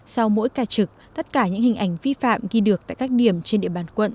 sau mỗi ca trực tất cả những hình ảnh vi phạm ghi được tại các điểm trên địa bàn quận